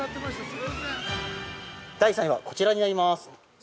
◆第３位はこちらになります。